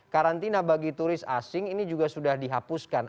karantina bagi turis asing ini juga sudah dihapuskan